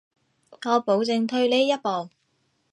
我保證退呢一步